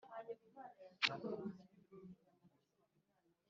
Iyo hifashishijwe impuguke yigenga raporo igezwa